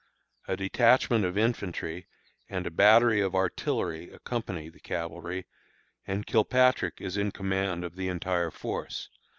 A detachment of infantry and a battery of artillery accompany the cavalry, and Kilpatrick is in command of the entire force.